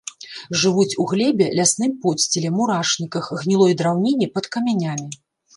Жывуць у глебе, лясным подсціле, мурашніках, гнілой драўніне, пад камянямі.